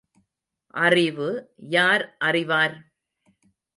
அறிவு யார் அறிவார்?